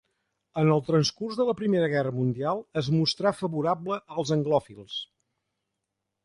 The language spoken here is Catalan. En el transcurs de la Primera Guerra Mundial es mostrà favorable als anglòfils.